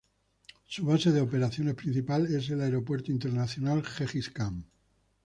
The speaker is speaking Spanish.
Su base de operaciones principal es el Aeropuerto Internacional Gengis Kan.